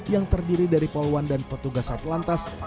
yang terdiri dari poluan dan petugas saat lantas